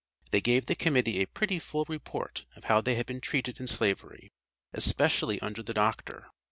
They gave the Committee a pretty full report of how they had been treated in slavery, especially under the doctor.